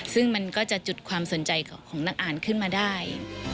ซึ่งมันก็จะจุดความสนใจของนักอ่านขึ้นมาได้